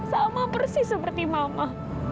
sama persis seperti mama